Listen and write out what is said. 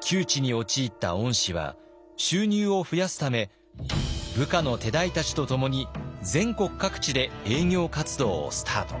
窮地に陥った御師は収入を増やすため部下の手代たちと共に全国各地で営業活動をスタート。